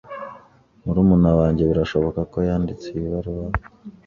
Murumuna wanjye birashoboka ko yanditse iyi baruwa.